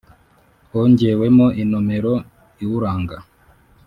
hongewemo inomero iwuranga